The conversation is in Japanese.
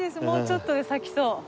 もうちょっとで咲きそう。